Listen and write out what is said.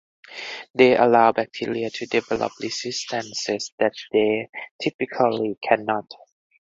They allow bacteria to develop resistances that they typically cannot.